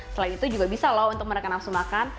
selain itu juga bisa loh untuk mereka langsung makan